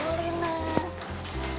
gak boleh nak